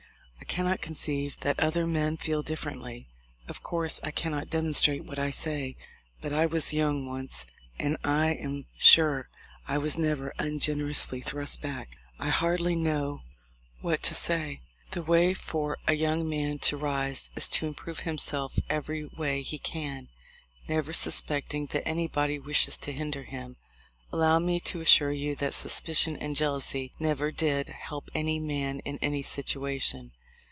I cannot conceive that other men feel differently. Of course I cannot demonstrate what I say; but I was young once, and I am sure I was never ungenerously thrust back. I hardly know 286 THE LIFE OF LINCOLN. what to say. The way for a young man to rise is to improve himself every way he can, never suspect ing that anybody wishes to hinder him. Allow me to assure you that suspicion and jealousy never did help any man in any situation.